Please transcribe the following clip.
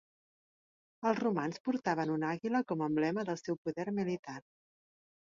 Els romans portaven una àguila com a emblema del seu poder militar.